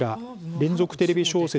連続テレビ小説